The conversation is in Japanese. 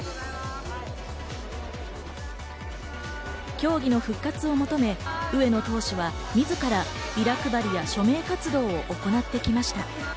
競技の復活を求め上野投手は自らビラ配りや署名活動を行ってきました。